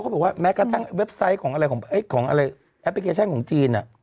เขาบอกว่ากระทั่งเว็บไซต์ของแอปริเกชชั่นของจีน